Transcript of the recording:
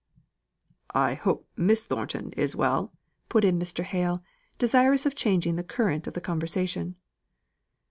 "I hope Miss Thornton is well," put in Mr. Hale, desirous of changing the current of the conversation.